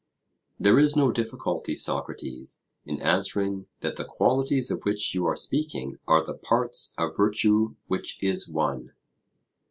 There is no difficulty, Socrates, in answering that the qualities of which you are speaking are the parts of virtue which is one.